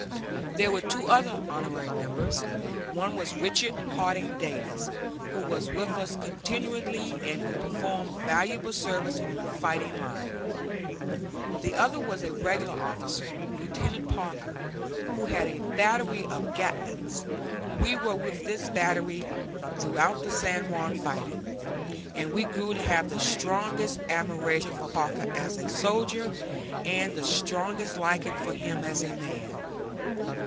There were two other honorary members. One was Richard Harding Davis, who was with us continually and who performed valuable service on the fighting line. The other was a regular officer, Lieutenant Parker, who had a battery of gatlings. We were with this battery throughout the San Juan fighting, and we grew to have the strongest admiration for Parker as a soldier and the strongest liking for him as a man.